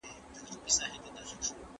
ماشوم په بېسېکه حالت کې پر ځمکه پروت و.